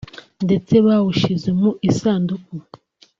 ndetse bawushyize mu isanduku